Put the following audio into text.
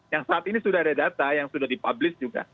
yang saat ini sudah ada data yang sudah dipublish juga